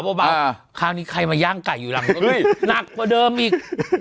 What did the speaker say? เบาเบาอ่าคราวนี้ใครมาย่างไก่อยู่หลังนักกว่าเดิมอีก